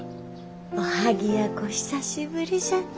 おはぎやこ久しぶりじゃね。